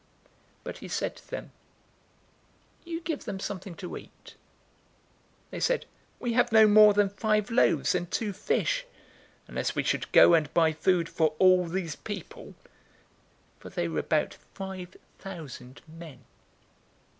009:013 But he said to them, "You give them something to eat." They said, "We have no more than five loaves and two fish, unless we should go and buy food for all these people." 009:014 For they were about five thousand men.